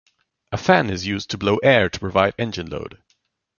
A fan is used to blow air to provide engine load.